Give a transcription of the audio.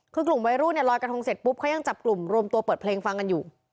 คือกลุ่มวัยรุ่นเนี่ยลอยกระทงเสร็จปุ๊บเขายังจับกลุ่มรวมตัวเปิดเพลงฟังกันอยู่